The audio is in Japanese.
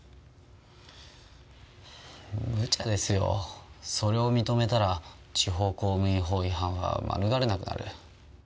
無茶ですよ。それを認めたら地方公務員法違反は免れなくなる。